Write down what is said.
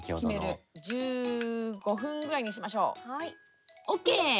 １５分ぐらいにしましょう。ＯＫ。